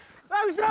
後ろ！